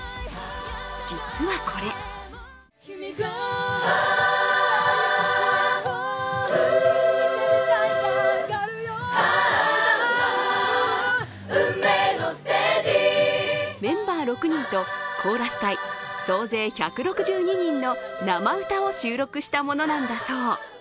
実は、これメンバー６人とコーラス隊総勢１６２人の生歌を収録したものなんだそう。